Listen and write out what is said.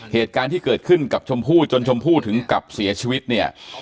เหตุการณ์ที่เกิดขึ้นกับชมพู่จนชมพู่ถึงกับเสียชีวิตเนี่ย